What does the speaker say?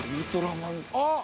◆あっ！